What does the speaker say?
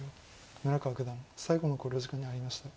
村川九段最後の考慮時間に入りました。